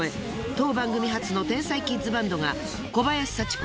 当番組発の天才キッズバンドが小林幸子